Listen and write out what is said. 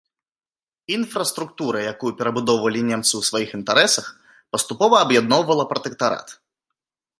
Інфраструктура, якую перабудоўвалі немцы ў сваіх інтарэсах, паступова аб'ядноўвала пратэктарат.